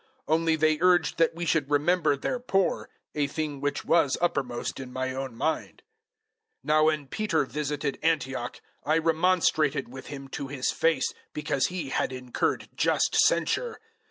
002:010 Only they urged that we should remember their poor a thing which was uppermost in my own mind. 002:011 Now when Peter visited Antioch, I remonstrated with him to his face, because he had incurred just censure.